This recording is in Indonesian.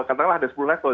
katakanlah ada sepuluh level